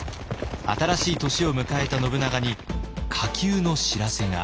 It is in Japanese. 新しい年を迎えた信長に火急の知らせが。